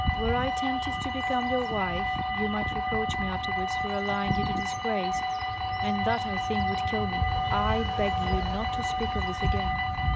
Were I tempted to become your wife, you might reproach me afterwards for allying you to disgrace; and that, I think, would kill me. I beg you not to speak of this again."